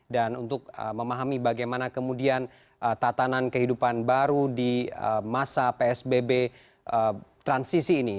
dan untuk memahami bagaimana kemudian tatanan kehidupan baru di masa psbb transisi ini